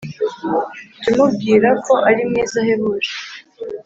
jya umubwira ko ari mwiza ahebuje,